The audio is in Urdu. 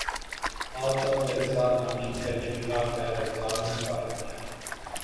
آپ سب میرے ساتھ "آمین" کہیں اللہ خیر! رمضان المبارک میں